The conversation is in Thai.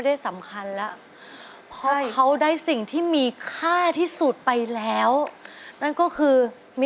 คณะกรรมการเชิญเลยครับพี่อยากให้ก่อนก็ได้จ้ะนู้นไปก่อนใครแล้วก่อนเพื่อนเลย